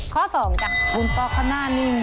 ข้อสองค่ะคุณป๊อกเขาน่านิ่ง